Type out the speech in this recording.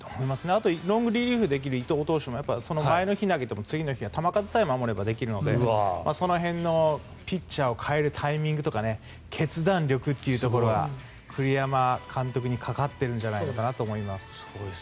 あとロングリリーフできる伊藤投手もその前の日に投げても次の日は球数さえ守ればできるのでその辺のピッチャーを代えるタイミングとか決断力というところは栗山監督にかかってるんじゃないかなと思います。